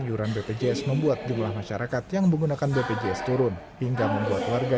iuran bpjs membuat jumlah masyarakat yang menggunakan bpjs turun hingga membuat warga